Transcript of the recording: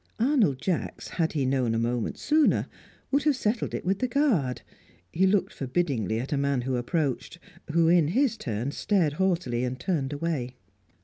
Arnold Jacks, had he known a moment sooner, would have settled it with the guard. He looked forbiddingly at a man who approached; who, in his turn, stared haughtily and turned away.